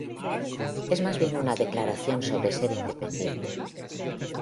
Es más bien una declaración sobre ser independiente.